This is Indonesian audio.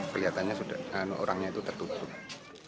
katanya orangnya itu tertutup